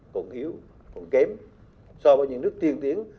còn yếu còn kém so với những nước tiên tiến